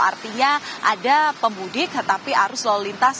artinya ada pemudik tetapi arus lalu lintas